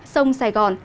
sông sài gòn